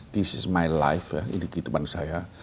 this is my life ya ini kehidupan saya